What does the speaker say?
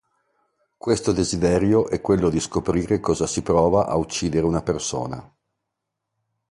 Questo desiderio è quello di scoprire cosa si prova ad uccidere una persona.